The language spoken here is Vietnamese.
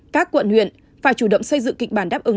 các quận huyện phải chủ động xây dựng kịch bản đáp ứng